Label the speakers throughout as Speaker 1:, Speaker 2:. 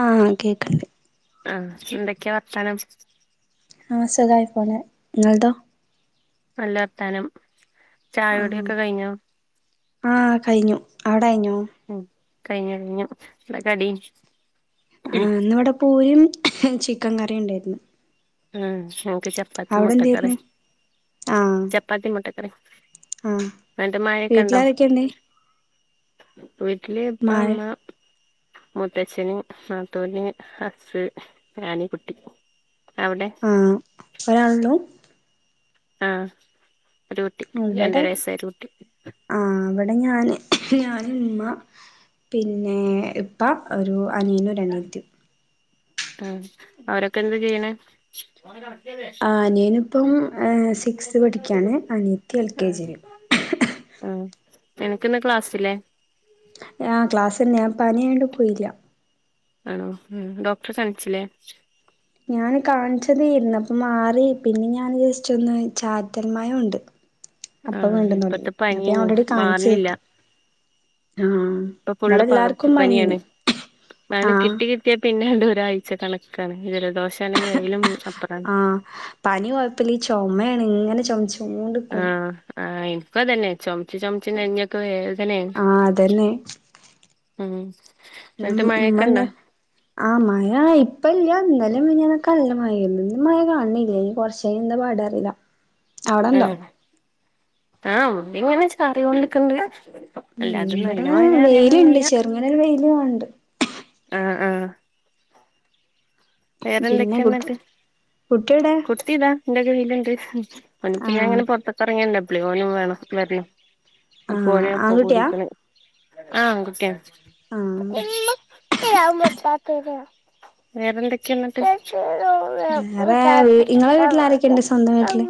Speaker 1: ആ കേക്കണ്ട്
Speaker 2: ആ എന്തൊക്കെയാ വർത്താനം
Speaker 1: ആ സുഖായി പൊണു നിങ്ങൾതോ
Speaker 2: നല്ല വർത്താനം ചായകുടി
Speaker 1: ആഹ്
Speaker 2: ഒക്കെ കഴിഞ്ഞോ
Speaker 1: ആഹ് കഴിഞ്ഞു അവിടെ കഴിഞ്ഞോ
Speaker 2: ഉം കഴിഞ്ഞു എന്താ കടി
Speaker 1: ആ ഇന്ന് ഇവിടെ പൂരിയും ചിക്കൻ കറിയും ഉണ്ടായിരുന്നു
Speaker 2: ഉം നമുക്ക് ചപ്പാത്തി
Speaker 1: അവിടെ
Speaker 2: മുട്ടക്കറി
Speaker 1: എന്തായിരുന്നു ആഹ്
Speaker 2: ചപ്പാത്തി മുട്ടക്കറിം
Speaker 1: ആഹ്
Speaker 2: വടെ മഴയൊക്കെ ഉണ്ടോ
Speaker 1: വീട്ടിലാരൊക്കെയുണ്ട്
Speaker 2: വിട്ടില് ഉപ്പ
Speaker 1: മഴ
Speaker 2: ഉമ്മ മുത്തച്ഛന് നാത്തൂൻ ഹസ് ഞാൻ കുട്ടി അവിടെ
Speaker 1: ആഹ് ഒരാളല്ലൂ
Speaker 2: ആഹ് ഒരു കുട്ടി രണ്ടരയസായരു കുട്ടി
Speaker 1: അ ഞാന് ഞൻ ഉമ്മ പിന്നെ ഇപ്പ ഒരു അനിയൻ അനിയത്തി
Speaker 2: ഉം അവരൊക്കെ എന്ത് ചെയ്യണ
Speaker 1: ആ അതിയനിപ്പം സിക്സ്ത് പഠിക്കയാണ് അനിയത്തി എൽ കെ ജി
Speaker 2: ആ നിനക്കിന്ന് ക്ലാസില്ലേ
Speaker 1: ആ ക്ലാസ്ണ്ട് ഞാൻ പനി ആയോണ്ട് പോയില്ല
Speaker 2: ആണോ ഡോക്ടർ കാണിച്ചില്ലേ
Speaker 1: അ മാറി പിന്നെ ഞാൻ ജെസ്റ്റ് ഒന്ന് ചാറ്റൽ മഴ കൊണ്ട്
Speaker 2: ആഹ് ഇപ്പത്തെ പനി മാറുന്നില്ല
Speaker 1: കാണിച്ചേര്ന്നു ആഹ്
Speaker 2: ഇപ്പൊ ഫുള്ള്
Speaker 1: ഇവിടെ എല്ലാർക്കും പനിയേനി
Speaker 2: പകർച്ചപ്പനിയാണ്ണ്
Speaker 1: ആഹ്
Speaker 2: കിട്ടി കിട്ടിയ പിന്നെ ഒരാഴ്ച കണക്കാണ് ഇതി ജലദോഷം ആണെങ്കി അയ്ലും സ
Speaker 1: ആഹ് പനി കൊഴപ്പില്ല ഈ ചുമയാണ് ഇങ്ങനെ ചുമ
Speaker 2: ആ ആ ഇപ്പ തന്നെ ചുമച്ച ചുമച്ച് നെഞ്ഞൊക്കെ വേദ
Speaker 1: ആഹ് അതന്നെ
Speaker 2: ഉം എന്നിട്ട് മഴയൊക്കെണ്ടോ
Speaker 1: മ്മന്നെ ആ മഴ ഇപ്പല്ലാന്ന് ഇന്നലെ മിനിഞ്ഞാന്നുംനല്ല മഴായിരുന്നു ഇന്ന് മഴ കാണില്ല കൊറച്ച് കഴിഞ്ഞ എന്താ പാടാറില്ല അവിടെണ്ടോ
Speaker 2: ഇവടെ ഇങ്ങനെ ചാരികൊണ്ടിരിക്കുണ്ട്
Speaker 1: ഉം ഇവിടെ വെയിലുണ്ട് ചെറുങ്ങനരു വെയില് വണ്ട്
Speaker 2: ആഹ് ആഹ്
Speaker 1: പിന്നെ
Speaker 2: വേറെന്തൊക്കെയ
Speaker 1: കുട്ടി
Speaker 2: എന്നിട്ട്
Speaker 1: കുട്ടിയെവിടെ
Speaker 2: കുട്ടി താ എന്റെ കൈയിൽ ഉണ്ട് ഓന് ഇപ്പൊ
Speaker 1: ആഹ്
Speaker 2: ഞാൻ പുറത്തൊക്കെ ഇറങ്ങിയ ണ്ടപ്പം ഓനും വേണം വര അപ്പൊ
Speaker 1: ആഹ്
Speaker 2: ഒന്നും ഒപ്പം
Speaker 1: ആൺകുട്ടിയാ
Speaker 2: കുടിക്ക് ണ് ആഹ് ആൺകുട്ടി
Speaker 1: ആഹ്
Speaker 2: ആണ് വേറെന്തൊക്കെയ എന്നിട്ട് [unintelligible]
Speaker 1: വേറെ ഇങ്ങളെ വീട്ടിൽ ആരൊക്കെയുണ്ട് സ്വന്തം വീട്ടില്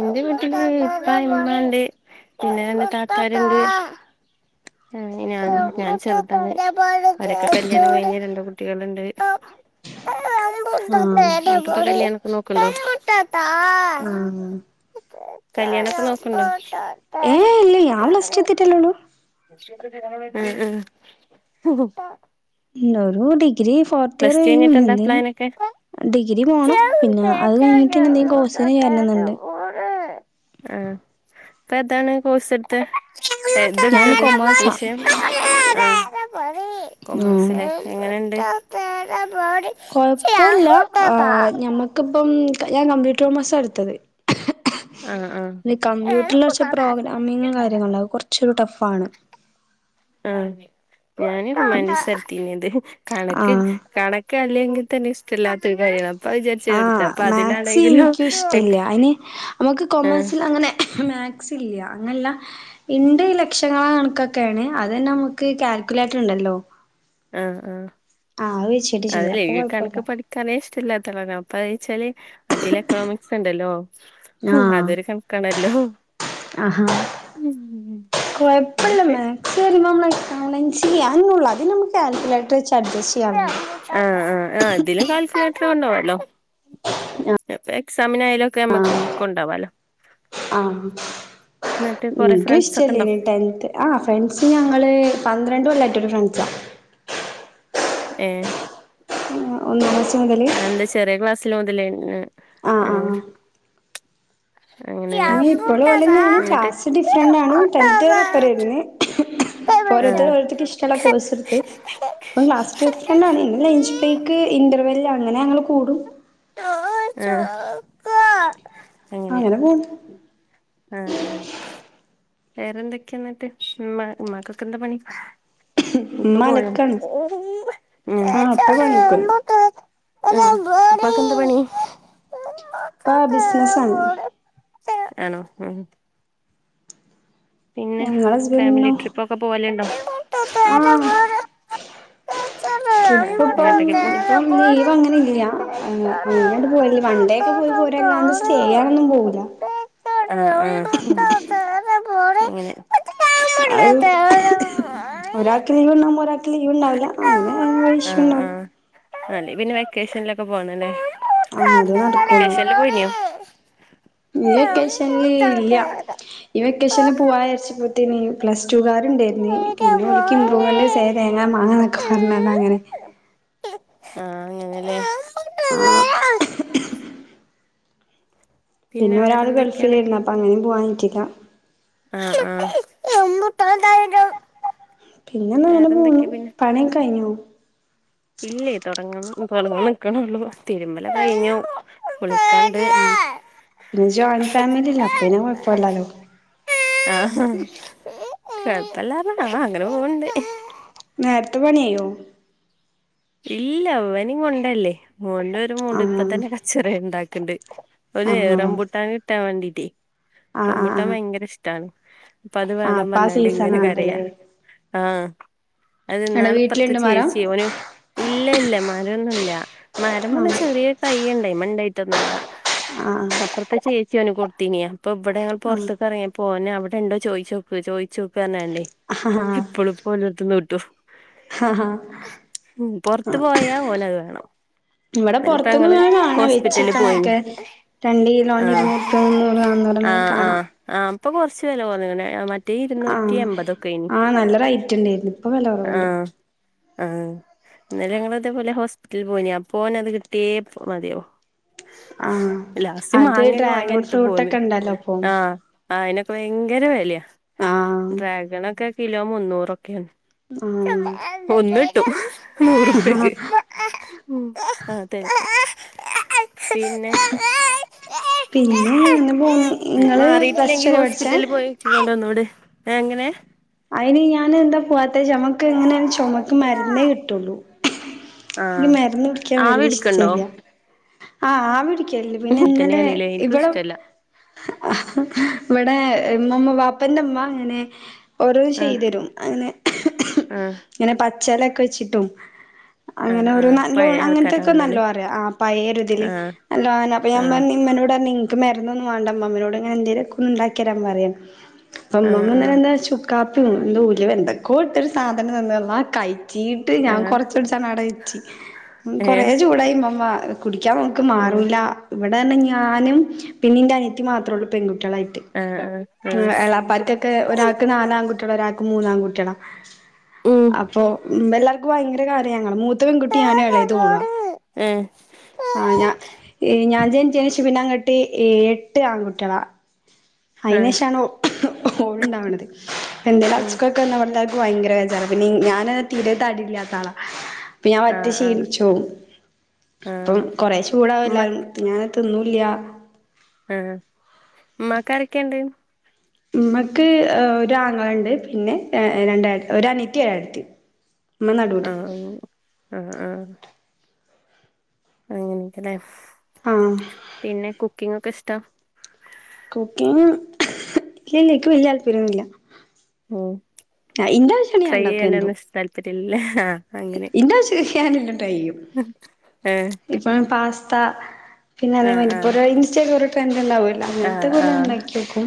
Speaker 2: എന്റെ വീട്ടില് ഇപ്പ ഇമ്മണ്ട് പിന്നെ എ താത്താരുണ്ട് ആ ഞാൻ ഞാൻ ചെറ്ത് അവരൊക്കെ കല്യാണം കഴിഞ് രണ്ട് കുട്ടികളുണ്ട് [unintelligible]
Speaker 1: ആഹ്
Speaker 2: ക്ക് നോക്ക്ണ്ടോ
Speaker 1: ആഹ്
Speaker 2: കല്യാണൊക്കെ നോക്കുന്ണ്ടോ
Speaker 1: ഏഹ ഇല്ലേ ല്ല ഞാൻ പ്ലസ്ടു എത്തി ട്ടല്ലേല്ലോളു
Speaker 2: ഉ ഉ
Speaker 1: ഇണ്ടോരു ഡിഗ്രീ ഫോർത്ത് ഇയർ
Speaker 2: ടു കഴിഞ്ഞിട്ട് എന്താ
Speaker 1: ആ
Speaker 2: പ്ലാനൊക്കെ
Speaker 1: ഡിഗ്രി പോണം
Speaker 2: തേച്ചാലും
Speaker 1: പിന്നെ അത് കഴിഞ്ഞിട്ടന്ന എന്തെങ്കും
Speaker 2: തേച്ചാലും
Speaker 1: കോഴ്സിന് ചരണ എന്നണ്ട്
Speaker 2: ആ ഇപ്പ എതാണ് കോഴസ് എടുത്തെ
Speaker 1: ഞാൻ
Speaker 2: എന്തെടുത്തത്
Speaker 1: കൊമേഴ്സാ
Speaker 2: വിഷയം ആ
Speaker 1: ഉം
Speaker 2: കൊമേഴ്സില എങ്ങനെണ്ട്
Speaker 1: കൊഴപ്പില്ല ആ് ഞമ്മുക്കിപ്പം ഞാൻ കമ്പ്യൂട്ടർ കോമേഴ്സ് എടുത്തത്
Speaker 2: ആഹ്
Speaker 1: കമ്പ്യൂട്ടറിൽ കുറച്ച
Speaker 2: ആഹ്
Speaker 1: പ്രോഗ്രാമിങ്ങും കാര്യങ്ങള അത് കുറച്ച ഒരു ടഫ് ഫാണ്
Speaker 2: ആഹ ഞൻ മനസ്സരത്തത് കണക്ക്
Speaker 1: ആഹ്
Speaker 2: കണക്ക് അല്ലെങ്കിൽ തന്നെ ഇഷ്ടല്ലാത്തത് കയണം
Speaker 1: ആഹ മാത് സ് എനിക്കും ഇഷ്ടല്ല അതിന് നമുക്ക്
Speaker 2: ആഹ്
Speaker 1: കൊമേഴ്സിൽ അങ്ങനെ മാത്സ് ഇല്ല അങ്ങനല്ല ഇണ്ട്ഈ ലക്ഷങ്ങളെ കണക്കൊക്കെയാണ് അത് തന്നെ നമുക്ക്ൽ കുലെറ്റർ ണ്ടല്ലോ
Speaker 2: ആഹ ആഹ
Speaker 1: ആഹ് വെച്ചിട്ട് ചെയ്യാം അപ്പൊ
Speaker 2: അത
Speaker 1: കൊഴപ്പല്ല
Speaker 2: കണക്ക് പഠിക്കാനേ ഇഷ്ടില്ല [unintelligible] മറ്റെല്എക്കണോമിക്സ് ഉണ്ടല്ലോ അതൊരു കണക്കണല്ലോ
Speaker 1: ആ കൊഴപ്പില്ല്
Speaker 2: അങ്ങനൊക്കെ
Speaker 1: മാത്‍സ് ബാലൻസ് ചെയ്യാ എന്നുള്ളത് അത് നമക്ക് കാൽക്കുലേറ്റർ അഡ്ജസ്റ്റ് ചെയ്യാനുള്ളൂ
Speaker 2: ആ് ആ് ആ ഇതിലും കാൽകുലേ കൊണ്ടവാലോ എക്സാമിന ആായാലുംക്കെ നമ്മക്ക് കൊണ്ടാവാലോ
Speaker 1: ആഹ
Speaker 2: എന്നിട്ട് കൊറെ
Speaker 1: ന്ക്
Speaker 2: ഫ്രണ്ട്സ് ഒക്കെ ഉണ്ടോ
Speaker 1: ഇഷ്ട്ടല്ലെനി ടെൻത്ത് ആ ഫ്രണ്ട് ഞങ്ങള് പന്ത്രണ്ടല്ല ഫ്രണ്ട്സാ
Speaker 2: ഏ ആ
Speaker 1: ഒന്നാം ക്ലാസ് മുതല്
Speaker 2: എന്താ ചെറിയ ക്ലാസ് മുതല ആഹ
Speaker 1: ആഹ്
Speaker 2: ഏഹ്
Speaker 1: നീ ഇപ്പോള് പോലന്നാണ് ക്ലാസ് ഡിഫറൻറ്ണ് ടെൻത് വരെപ്പറന്ന് ഓരോരുത്തർ ഓരോത്തർക്ക് ഇഷ്ടല്ല കൊയ്‌സിട്ത് അപ്പം ക്ലാസ്സ്‌ ഡിഫ്രണ്ടണ് ലഞ്ച്
Speaker 2: ആ
Speaker 1: ബ്രേക്ക് ഇന്റർവല് അങ്ങനെ ഞങ്ങള് കൂടും
Speaker 2: അ അങ്ങനെ ആഹ ആ വേറെന്തൊക്കെയ എന്നിട്ട് ഉ് ഉമ്മാക്കൊക്കെ എന്താ പണി ഇപ്പ
Speaker 1: ഉമ്മ
Speaker 2: പോയ
Speaker 1: അലക്കാണ്
Speaker 2: ഓ
Speaker 1: ആഹ് ഉപ്പ പണിക്കോയി
Speaker 2: പ്പാക്കന്ത പണി
Speaker 1: പ ബിസിനസാണ്
Speaker 2: ആണോ ഉ പിന്നെ
Speaker 1: ഞങ്ങളെ
Speaker 2: ഫാമിലി
Speaker 1: ഹസ്ബന്റിനും
Speaker 2: ട്രിപ്പ് ഒക്കെ പോലുണ്ടോ
Speaker 1: ഇപ്പ ഇപ്പം ഇപ്പം ലീവ് അങ്ങനെ ഇല്ല അങ്ങനെയണ്ട് പോയല്ലേ വൺണ്ടേ ഒക്കെ പോയി പോരെല്ലാണ്ട് സ്റ്റ
Speaker 2: അങ്ങട്ടൊക്കെ
Speaker 1: ചെയ്യാനൊന്നും പോകില്ല
Speaker 2: ആഹ് അങ്ങനെ
Speaker 1: അ ഒരാക്ക് ലീവ് ഉണ്ടാവുമ്പോ ഒരക്ക് ലീവ് ണ്ടാവില്ല അങ്ങനെ ആഷ്യം ഉണ്ടാവും
Speaker 2: അല്ല പിന്നെ വെക്കേഷനിലൊക്കെ പോണല്ലേ
Speaker 1: ആഹ് അതേ നടക്കുള്ളൂ
Speaker 2: വക്കേഷനിൽ പോയിന
Speaker 1: ഈ വെക്കേഷനി ഇല്ല ഈ വെക്കേഷന് പോവാരിച്ച പ്ലസ് ടു കരു ഉണ്ടായിരുന്നു പിന്നെ ഒരിക്ക് ഇമ്പ്രൂവ്മെന്റ് സെ തേങ്ങ മാങ്ങാ ന്നൊക്കെ പറഞ്ഞണ്ട് അങ്ങനെ
Speaker 2: ആഹ അങ്ങനെല്ലേ
Speaker 1: ആഹ് പിന്നെ ഒരാള് ഗൾഫിലേര്ന്നു അപ്പ അങ്ങനിം പോവാ പറ്റില്ല
Speaker 2: ആ ആ [inaudible]
Speaker 1: പിന്നെന്താണ് ഇങ്ങെനെ പോണു പണി ഒക്കെ കഴിഞ്ഞോ
Speaker 2: ഇല്ലെ തുടങ്ങണം തുടങ്ങാനിക്കണള്ളൂ തിരുമ്പലോക്കെ കഴിഞ്ഞു കുളിക്കാണ്ട്
Speaker 1: ആ പിന്നെ ജോയിന്റ് ഫാമിലി ല്ലേ അപ്പോ പിന്നെ കോഴപ്പില്ലാലോ
Speaker 2: ആ കോഴപ്പല്ലാ പറഞ്ഞ അങ്ങനെ പോവണ്ട്
Speaker 1: നെര്ത്തെ പണിയയ്യോ
Speaker 2: ഇല്ല ഇവനേം കോണ്ടല്ലെ മോൾട ഒരു മൂഡ് ഇപ്പ
Speaker 1: ആഹ്
Speaker 2: തന്നെ കച്ചറ ഉണ്ടാക്ക്ണ്ട് ഓനെ
Speaker 1: ആഹ്
Speaker 2: റംബൂട്ടാൻ കിട്ടാൻ വേണ്ടീട്ടെ
Speaker 1: ആഹ് ആഹ്
Speaker 2: റംബൂട്ടാൻ
Speaker 1: ആഹ്
Speaker 2: ഭയങ്കര ഇഷ്ട്ടാണ് അപ്പോ അത്
Speaker 1: ആഹ്
Speaker 2: വെണം
Speaker 1: അപ്പൊ ആ
Speaker 2: പറഞ്ഞാണ്ട്
Speaker 1: സീസൺ
Speaker 2: ഇങ്ങനെ കരയാ
Speaker 1: ആണല്ലല്ലേ
Speaker 2: ആ
Speaker 1: ഇങ്ങടെ
Speaker 2: അതന്നാൾപ്പറത്തെ
Speaker 1: വീട്ടിലുണ്ട് മരം
Speaker 2: ചേച്ചിയെ ഓൻ ഇ ഇല്ല ഇല്ല മരം ഒന്നുല്ല മരംന്ന് പറഞാ
Speaker 1: ആഹ്
Speaker 2: ചെറിയ ഒര് തയ്യ്ണ്ടായി അയിമേൽ ണ്ടായിട്ടൊന്നുല്ല
Speaker 1: അ അ
Speaker 2: കൊത്തീനിയാ അപ്പൊ ഇവിടെ ഞങ്ങളൾ പുറത്തക്ക് ഇറങ്ങിയപ്പോ ഓൻ അവിടെണ്ടോ ചോയിച്ചോക്ക് ചോയിച്ചോക്ക് പറഞ്ഞാണ്ടേ
Speaker 1: ആഹ്
Speaker 2: എപ്പളും പ്പോ ഓലെടുത്ത്ന്ന് കിട്ടോ
Speaker 1: ഹ ഹ
Speaker 2: പുറത്ത് പോയാ ഓനത് വേണം
Speaker 1: ഇവിടെ
Speaker 2: ഇന്നലിപ്പോ
Speaker 1: പോറത്തന്ന്
Speaker 2: ഞങ്ങള്
Speaker 1: ഇങ്ങെനെ കാണ
Speaker 2: ഹോസ്പിറ്റലിൽ പോയിനി
Speaker 1: വെച്ച്ക്കണൊക്കെ രണ്ട് കിലോൻ
Speaker 2: ആഹ്
Speaker 1: ഇരുന്നൂറുപ്യ മുന്നൂറ് ന്നാന്നൂറ് എന്നോക്കെ കാണാം
Speaker 2: ആ ഇപ്പോ കോറച്ച് വെലെ കോറെഞ്ക്ണ്
Speaker 1: ആ ആ നല്ല റയിറ്റ് ണ്ടായിരുന്ന് ഇപ്പോ വെല കോറവുണ്ട്
Speaker 2: ആ ഇന്നെലെ ഞങ്ങൾ ഇതെപോലെ ഹോസ്പിറ്റലിൽ പോയിനെ അപ്പോ ഓന് അത് കിട്ടിയെ മതിയാവൂ
Speaker 1: ആഹ്
Speaker 2: ലാസ്റ്റ്
Speaker 1: അത്
Speaker 2: മങ്ങെക്കെ വാങ്ങി
Speaker 1: ഡ്രാഗൺ
Speaker 2: കോടുത്ത് പോന്ന്
Speaker 1: ഫ്രൂട്ടൊക്കെ ഇണ്ടല്ലോ ഇപ്പൊ
Speaker 2: ആ ആയിന് ഭയങ്കര വെലയ
Speaker 1: ആഹ്
Speaker 2: ട്രാഗനോക്കെ കിലോ മുന്നൂറോക്കെയാണ്
Speaker 1: ആഹ്
Speaker 2: ഒന്നിട്ടു നൂറ് റൂപിയക്ക് മ് ആ അതെ പിന്നെ
Speaker 1: പിന്നെ അങ്ങനെ പോന്ന് ഇങ്ങള് പ്ലസ് ടു
Speaker 2: മാറിട്ടില്ലെങ്കിൽ
Speaker 1: വരെ പഠിച്ചേ
Speaker 2: ഹോസ്പിറ്റലിൽ പോയി [unintelligible] ഒന്നൂട് എങ്ങനെ
Speaker 1: അതിന് ഞാൻ എന്താ പോവാത്തെച്ച ഞമക്ക് എങ്ങനെ ചുമക്ക് മരുന്നെകിട്ടുള്ളു
Speaker 2: ആ
Speaker 1: എനിക്ക് മരുന്ന് കുടിക്കാൻ
Speaker 2: ആവി
Speaker 1: വല്ലിയ
Speaker 2: പിടിക്കണ്ടോ
Speaker 1: ഇഷ്ടല്ല ആ ആവി പിട്ക്കൽ ഉണ്ട് പിന്നെ ഇന്നലെ
Speaker 2: തന്നെയാണല്ലേ എനിക്കും
Speaker 1: ഇവിടെ
Speaker 2: ഇഷ്ടല്ല
Speaker 1: ഇവിടെ മ്മമ്മ വാപ്പ പ്പന്റെമ്മ അങ്ങനെ ഓരോന്ന്
Speaker 2: ആ
Speaker 1: ചെയ്തരും അങ്ങനെ
Speaker 2: ആ
Speaker 1: ങ്ങനെ ചെലക്ക വെച്ചിട്ടും
Speaker 2: ആ
Speaker 1: അങ്ങനെ
Speaker 2: ആ
Speaker 1: ഒരു നല്ലോ
Speaker 2: പഴയ
Speaker 1: അങ്ങനത്തൊക്കെ
Speaker 2: ആൾക്കാരാണല്ലോ അല്ലേ
Speaker 1: നല്ലോ അറിയ ആ പയരുതില്
Speaker 2: ആ
Speaker 1: നല്ല അങ്ങന അപ്പൊ ഞാൻ
Speaker 2: ആ
Speaker 1: പറഞ്ഞി [inaudible] മരുന്നോന്നും വാണ്ട ഇമ്മമ്മനോട് ഇങ്ങെനെ എന്തേലോക്കെ ഉണ്ടാക്കി തരാൻ പറയാം അപ്പം
Speaker 2: ആ
Speaker 1: മ്മമ്മ
Speaker 2: ആ
Speaker 1: ഇന്നലെ ചു കാപ്പിയും എന്തോ ഉലിവ എന്തക്കോട്ടോരു സാധനം തന്നിർന്നു ആ കൈ ചീട്ട്
Speaker 2: ആ
Speaker 1: ഞാൻ കോറച്ച്കുടിച്ചാണ്ട് അട വെച്ചി
Speaker 2: ഏ
Speaker 1: കോറെ ചൂടായി ഉമ്മമ്മ കുടിക്കാൻ നമുക്ക്
Speaker 2: ആ
Speaker 1: മാറുല്ല ഇവിടെ ആണെങ്കി ഞാനും പിന്നിന്റെ അനിയത്തി മാത്ര ഉള്ളു പെൺകുട്ടി കുട്ടിയാലായിട്ട്
Speaker 2: ആ ആ ആ
Speaker 1: എളാപാർക്കോക്കെ ഒരാക്ക് നാൽ ഒര് കുട്ടിള്ളൊരാൾക്കും മൂന്നാൺ കുട്ടികള
Speaker 2: ഉം
Speaker 1: അപ്പൊ എല്ലാർക്കും ഭയങ്കര കാര്യാ ഞങ്ങളെ മൂ മൂത്ത പെൺകുട്ടി ഞാനും എളയതും ഓളുവാ
Speaker 2: ഏ
Speaker 1: ആ ഞാ ഞാൻ ജനിച്ച ശേഷം പിന്നങ്ങ എട്ട് ആൺകുട്ടികളാ
Speaker 2: ആ
Speaker 1: അയിനേഷാണ് ഓളുണ്ടാവണന്ത് എന്റെ
Speaker 2: ഉം
Speaker 1: അച്ചുക്കാക്കെ എന്ന പറഞ്ഞാക്ക് ഭയങ്കര ബെചാറ പിന്നെ ഞാന് തീരെ തടില്ലാത്താളാ അപ്പൊ ഞാൻ വറ്റേ
Speaker 2: ആഹ് ആഹ്
Speaker 1: ശീലിച്ച് പോവും അപ്പം
Speaker 2: ആഹ്
Speaker 1: കൊറെ ചൂടാവും
Speaker 2: ഉമ്മ
Speaker 1: എല്ലാരും പിന്ന തിന്നൂലൃ
Speaker 2: ആ ഉമ്മക്കാരൊക്കെണ്ട്
Speaker 1: ഉമ്മാക്ക് ഒരാങ്ങളണ്ട് പിന്നെ രണ്ടാ ഒരനിയത്തി ഒരേട്ടത്തി
Speaker 2: ആ ആ ആ അങ്ങനെയൊക്കല്ലേ
Speaker 1: ആഹ്
Speaker 2: പിന്നെ കുക്കിംങ്ങ് ഒക്കെ ഇഷ്ട
Speaker 1: കുക്കിങ് ഇല്ലില്ല എക്ക് വലിയ താല്‍പര്യം ഒന്നുല്ല
Speaker 2: മ് ട്രൈ ചെയ്യാനോന്നും ഇഷ്ട താല്‍പര്യം ഇല്ലല്ലേ ആഹ്
Speaker 1: ഇന്റാ ആവിശ്യക്കാനി
Speaker 2: ആഹ്
Speaker 1: ഇപ്പ പാസ്ത പിന്നെ അതേ
Speaker 2: ആഹ്
Speaker 1: മയി
Speaker 2: ആഹ്
Speaker 1: ഇപ്പോരു ഇൻസ്റ്റയിലൊരു ട്രെൻഡ് ഉണ്ടാവൂലോ അങ്ങനത്തെ
Speaker 2: ആഹ്
Speaker 1: പോലെ ഉണ്ടാക്കി നോക്കും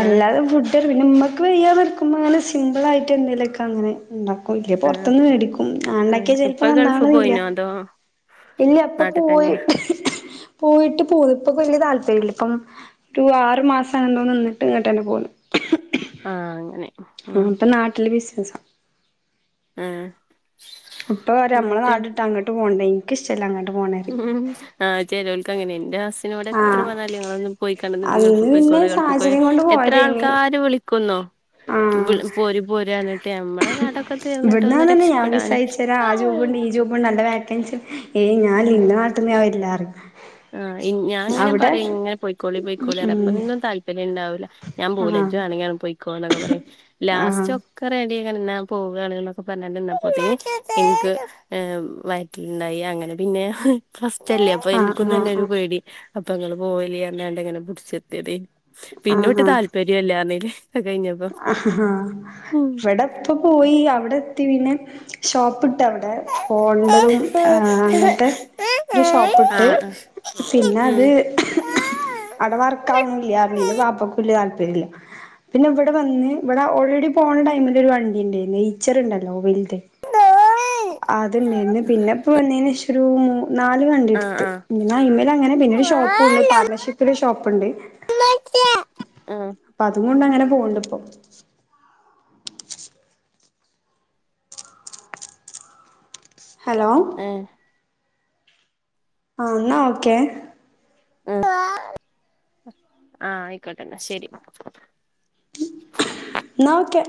Speaker 2: ആഹ് ആഹ്
Speaker 1: അല്ലാതെ ഫുഡ് പിന്നെ ഉമ്മക്ക് വയ്യാതിറിക്കുമ്പോ അങ്ങനെ സിമ്പിളായിട്ട് എന്തേലൊക്കെ അങ്ങനെ ഉണ്ടാക്കും ഇല്ല
Speaker 2: ആഹ്
Speaker 1: പൊറത്തിന്ന് മേടിക്കും ഞാൻ
Speaker 2: ആഹ്
Speaker 1: ഉണ്ടാക്കിയാ ചിലപ്പോ
Speaker 2: ഇപ്പൊ ഗൾഫ്
Speaker 1: നന്നാവണില്ല
Speaker 2: പോയിനോ അതോ
Speaker 1: ഇല്ല ഇപ്പൊ
Speaker 2: നാട്ടി
Speaker 1: പോയി
Speaker 2: തന്നെയാ
Speaker 1: പോയിട്ട് പോകും ഇപ്പോ വലിയ താല്പര്യം ഇല്ല ഇപ്പം ഒരു ആറു മാസം എന്തോ നിന്നിട്ട് ഇങ്ങോട്ട് തന്നെ പോന്നു
Speaker 2: ആ അങ്ങനെ
Speaker 1: ആ
Speaker 2: ഉം
Speaker 1: ഇപ്പൊ നാട്ടില് ബിസ്നസാ
Speaker 2: ആഹ്
Speaker 1: ഇപ്പ പറയും നമ്മള
Speaker 2: എന്നിട്ട്
Speaker 1: നാടിട്ട് അങ്ങട്ട് പോണ്ടെ എനിക്ക് ഇഷ്ടല്ല അങ്ങ്
Speaker 2: ഉം ആ ചെലോര്ക്ക് അങ്ങനെ എന്റെ ഹസിനോവിടെ എത്ര
Speaker 1: ആഹ്
Speaker 2: പറഞ്ഞാലും നിങ്ങളൊന്നും പോയി കാണ്ട്
Speaker 1: അന്ന്
Speaker 2: ഗൾഫിക്ക്
Speaker 1: പിന്നെ
Speaker 2: പോയ് ള് ഗൾഫി പോയി
Speaker 1: സാഹചര്യം കൊണ്ട്
Speaker 2: എത്ര
Speaker 1: പോയതേനി
Speaker 2: ആൾക്കാര് വിളിക്കുന്നോ വിളി പോര് പോര് അറിഞ്ഞി
Speaker 1: ഇവിടുന്ന് അതന്നെ ഞാൻ
Speaker 2: രക്ഷപ്പെടാന്
Speaker 1: വിസായിച്ചരാം ആ ജോബുണ്ട് ഈ ജോബൂണ്ട് നല്ല വെക്കാൻസി ഏയ് ഞ ആ ഇല്ല ഇന്റെ നാട്ട്ന്ന് ഞാൻ വരില്ല പറയും
Speaker 2: ആ ഇ ഞാ അങ്ങനെ
Speaker 1: അവിടെ
Speaker 2: പറയും ഇങ്ങനെ പോയിക്കോളി പോയിക്കോളി അര അപ്പ
Speaker 1: ഉം
Speaker 2: ഒന്നും താല്പര്യം ഉണ്ടാവൂല ഞാൻ പോവുല
Speaker 1: ആഹ്
Speaker 2: ജ് വെണെങ്കി പോയിക്കോന്നൊക്കെ പറയും
Speaker 1: ആഹ്
Speaker 2: ലാസ്റ്റ് ഒക്കറെ നീ ഇങ്ങനെ നിന്ന പോകാണ് എന്നോക്കെ പറഞ്ഞിട്ടുണ്ട് അപ്പോത്തേനി എനിക് എ വയറ്റിലുണ്ടായി അങ്ങന പിന്നെ ഫസ് റ്റല്ലേ അപ്പൊ എനിക്കും
Speaker 1: ആഹ്
Speaker 2: തന്നെ ഒരു
Speaker 1: ആഹ്
Speaker 2: പേടി അപ്പൊ അങ്ങള് പോവല്ലെ അന്നാണ്ട് ഇങ്ങനെ പുടിച്ച് നിർത്തിയത്യ് പിന്നോട്ട് താല്‍പര്യം ഇല്ല പറഞ്ഞിലേ
Speaker 1: അ ഇവിടെപ്പ പോയി അവിടെ എത്തി പിന്നെ ഷോപ്പ് ട്ട് അവിടെ പോണ്ടതും ആ അങ്ങട്ട് ഒരു ഷോപ്പിട്ട്
Speaker 2: ആഹ് ഉം
Speaker 1: പിന്നത് അവിടെ വർക്കാവണില്ല അല്ലെയ്ലും വാപ്പക്ക് വലിയ താല്പരില്ല പിന്നെ ഇവി ഇവിടെ വന്ന് ഇവിടെ ഓൾറെഡി പോണ ടൈമില് ഒരു വണ്ടി ഉണ്ടായി എയ്യച്ചർണ്ടല്ലോ വലിത് അത്ണ്ടായിന്ന് പിന്നെപ്പ വന്നേന് ശേഷൊരു നാല് വണ്ടി
Speaker 2: ആഹ്
Speaker 1: എടുത്ത്
Speaker 2: ആഹ്
Speaker 1: എന്ന അയിമേൽ അങ്ങനെ പിന്നെരു ഷോപ്പും ഉണ്ട് പാർട്ണർഷിപ്പില് ഷോപ്പുണ്ട്
Speaker 2: ആ
Speaker 1: അയ് കൊണ്ട് അങ്ങനെ പോക്ണ്ട് ഇപ്പോ ഹലോ
Speaker 2: ഉം
Speaker 1: ആ എന്നാ ഓക്കെ
Speaker 2: ആ ആയിക്കോട്ടെന്ന ശരി
Speaker 1: ഇന്നാ ഒക്കെ